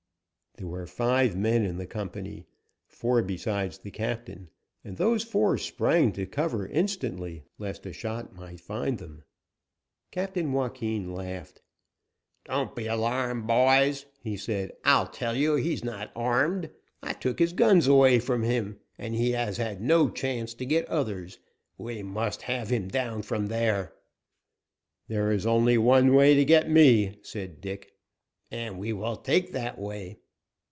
There were five men in the company, four besides the captain, and those four sprang to cover instantly, lest a shot might find them. Captain Joaquin laughed. "Don't be alarmed, boys," he said. "I tell you he is not armed. I took his guns away from him, and he has had no chance to get others. We must have him down from there!" "There is only one way to get me," said Dick. "And we will take that way."